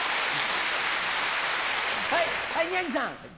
はい宮治さん。